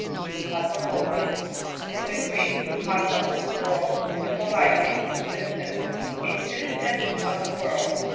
Cosmopolite. — From the Greek, kos* mo«, world, and politeSt citizen. A citizen of the world.